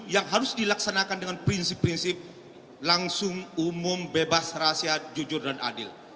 yang harus dilaksanakan dengan prinsip prinsip langsung umum bebas rahasia jujur dan adil